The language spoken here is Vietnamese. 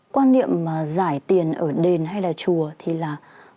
quan niệm giải tiền ở đền hay là chùa thì là